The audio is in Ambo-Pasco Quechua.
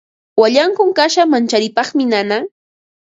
Wallankuy kasha mancharipaqmi nanan.